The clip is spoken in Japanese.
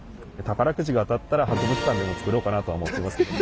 宝くじが当たったら博物館でも作ろうかなとは思ってます。